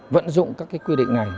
vẫn dụng các cái quy định này